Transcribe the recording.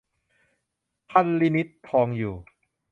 พัชรีนิษฐ์ ทองอยู่